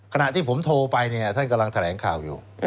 ขณะที่ผมโทรไปเนี่ยท่านกำลังแถลงข่าวอยู่